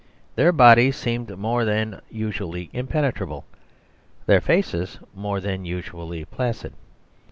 Their bodies seemed more than usually impenetrable, their faces more than usual placid.